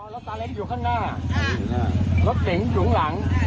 อ๋อรถตาเล็กอยู่ข้างหน้าอ่ารถเต๋งหลุงหลังอ่ารถเต๋งหลุงหลัง